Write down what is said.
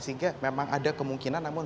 sehingga memang ada kemungkinan namun